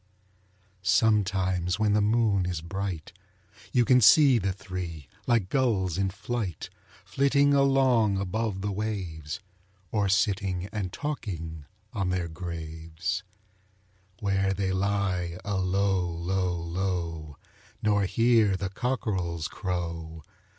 Sometimes when the moon is bright You can see the three, like gulls in flight, Flitting along above the waves, Or sitting and talking on their graves, Where they lie alow, low, low, Nor hear the cockrel's crow.